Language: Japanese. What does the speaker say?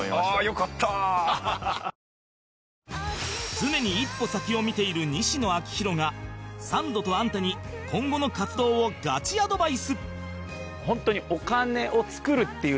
常に一歩先を見ている西野亮廣がサンドとアンタに今後の活動をガチアドバイス！